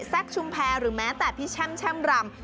แทรกชุมแพรหรือแม้แต่พี่แชมเช่มรำ